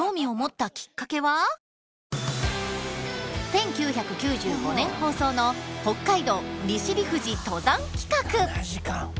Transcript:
１９９５年放送の北海道利尻富士登山企画！